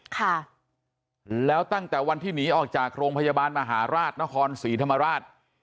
ค่ะแล้วตั้งแต่วันที่หนีออกจากโรงพยาบาลมหาราชนครศรีธรรมราช